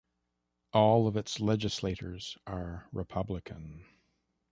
All of its legislators are Republican.